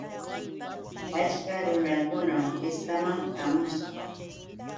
Achka runakunam fiestaman hamushqa.